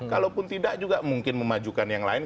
kalaupun tidak juga mungkin memajukan yang lain